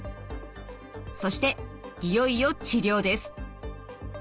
そしていよいよ治療です。